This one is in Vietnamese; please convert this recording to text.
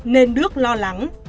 nên đức lo lắng